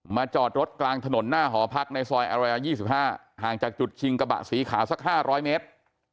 จอดรถกลางถนนหน้าหอพักในซอยอารยา๒๕ห่างจากจุดชิงกระบะสีขาวสัก๕๐๐เมตร